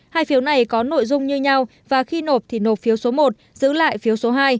hai phiếu này có nội dung như nhau và khi nộp thì nộp phiếu số một giữ lại phiếu số hai